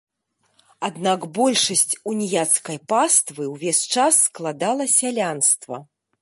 Аднак большасць уніяцкай паствы ўвесь час складала сялянства.